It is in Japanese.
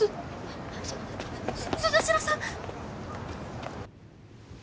す鈴代さん！